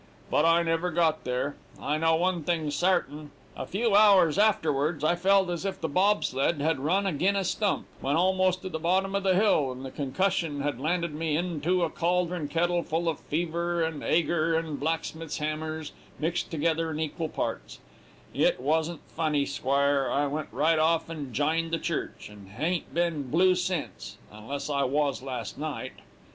But I never got there; I know one thing sartain a few hours afterward I felt as if the bob sled had run agin a stump, when almost tu the bottom of the hill, and the concussion had landed me intu a cauldron kettle full of fever and ager and blacksmiths' hammers, mixed together in equal parts; it wasn't funny, squire; I went right off and jined the church, and hain't been blue since, unless I wos last night.'